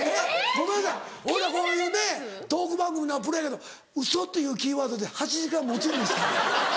ごめんなさい俺らこういうねトーク番組のプロやけどウソっていうキーワードで８時間持つんですか？